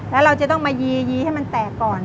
แล้วเราจะต้องมายีให้มันแตกก่อน